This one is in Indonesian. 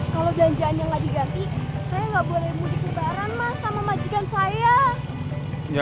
kalau janjiannya nggak diganti saya nggak boleh mau dikebaran mas sama majikan saya